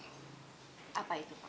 apa itu pak